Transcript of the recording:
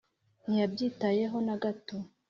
ntiyabyitayeho na gato